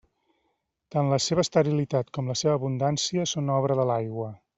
Tant la seva esterilitat com la seva abundància són obra de l'aigua.